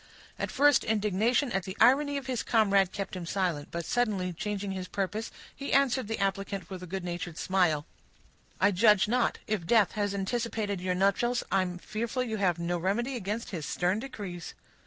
At first, indignation at the irony of his comrade kept him silent; but, suddenly changing his purpose, he answered the applicant with a good natured smile,— "I judge not. If death has anticipated your nuptials, I am fearful you have no remedy against his stern decrees."